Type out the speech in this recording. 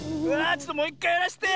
ちょっともういっかいやらせて。